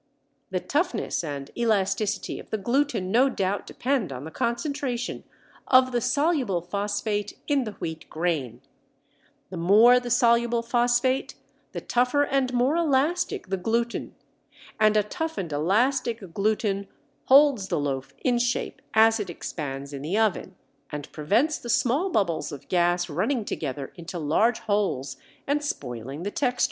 The toughness and elasticity of the gluten no doubt depend on the concentration of the soluble phosphate in the wheat grain, the more the soluble phosphate the tougher and more elastic the gluten, and a tough and elastic gluten holds the loaf in shape as it expands in the oven, and prevents the small bubbles of gas running together into large holes and spoiling the texture.